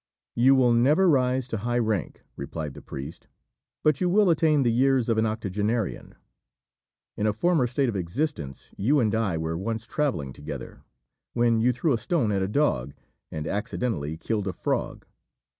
"You will never rise to high rank," replied the priest, "but you will attain the years of an octogenarian. In a former state of existence you and I were once travelling together, when you threw a stone at a dog, and accidentally killed a frog.